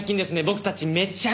僕たち